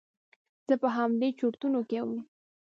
زه په همدې چرتونو کې وم.